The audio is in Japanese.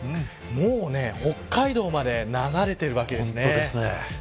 もう北海道まで流れているわけですね。